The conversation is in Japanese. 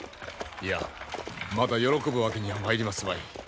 いやまだ喜ぶわけにはまいりますまい。